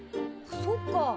そっか。